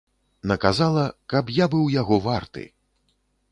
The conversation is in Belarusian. Наказала, каб я быў яго варты.